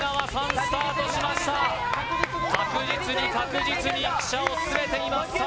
スタートしました確実に確実に汽車を進めていますさあ